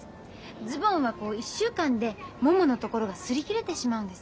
ズボンは１週間でもものところが擦り切れてしまうんです。